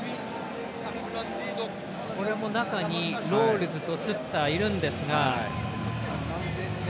これも中にロールズとスッターいるんですが。